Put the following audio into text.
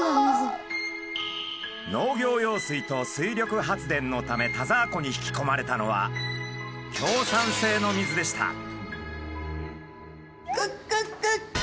農業用水と水力発電のため田沢湖に引きこまれたのは強酸性の水でした。